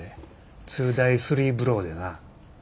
２ダイ３ブローでな。